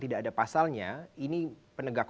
tidak ada pasalnya ini penegak